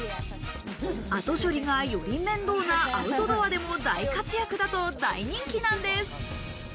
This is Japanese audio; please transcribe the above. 後処理がより面倒なアウトドアでも大活躍だと大人気なんです。